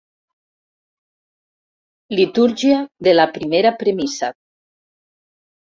Litúrgia de la primera premissa.